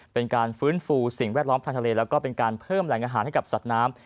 เป็นการฟื้นฟูสิ่งแวดล้อมทางทะเลแล้วก็เป็นการเพิ่มแหล่งอาหารให้กับสัตว์น้ำ